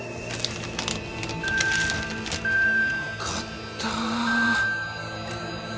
よかった。